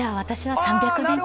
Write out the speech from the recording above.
３００年。